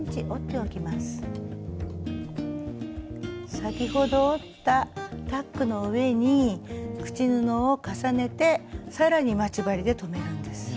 先ほど折ったタックの上に口布を重ねて更に待ち針で留めるんです。